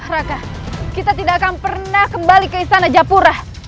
raka kita tidak akan pernah kembali ke istana japura